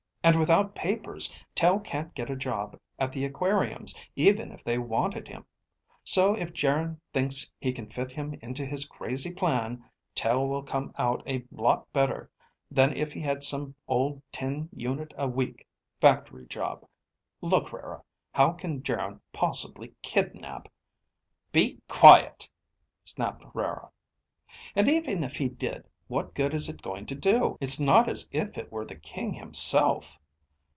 And without papers, Tel can't get a job at the aquariums, even if they wanted him. So if Geryn thinks he can fit him into his crazy plan, Tel will come out a lot better than if he had some old ten unit a week factory job. Look, Rara, how can Geryn possibly kidnap ..." "Be quiet," snapped Rara. "And even if he did, what good is it going to do? It's not as if it were the king himself."